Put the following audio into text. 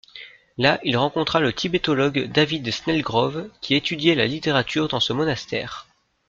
Là, il rencontra le tibétologue David Snellgrove qui étudiait la littérature dans ce monastère.